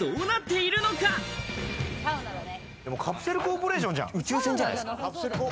カプセルコーポレーションじゃん。